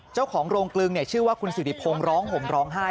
เจ้าของโรงกลึงชื่อว่าคุณสิริพงศ์ร้องห่มร้องไห้